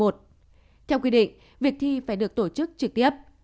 theo quy định việc thi phải được tổ chức trực tiếp